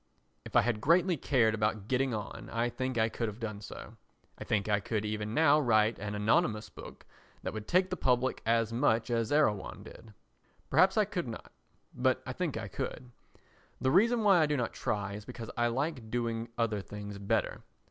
If I had greatly cared about getting on I think I could have done so. I think I could even now write an anonymous book that would take the public as much as Erewhon did. Perhaps I could not, but I think I could. The reason why I do not try is because I like doing other things better.